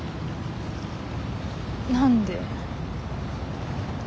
何で？